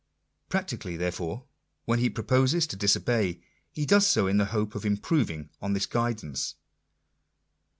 Practically, therefore, when he proposes to disobey, he does so in the hope of improving on this guidance